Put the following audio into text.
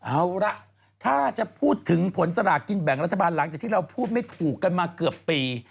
เอาล่ะถ้าจะพูดถึงผลสลากกินแบ่งรัฐบาลหลังจากที่เราพูดไม่ถูกกันมาเกือบปี